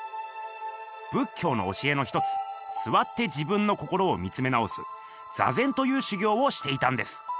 仏教の教えの一つ座って自分の心を見つめ直す「座禅」という修行をしていたんです。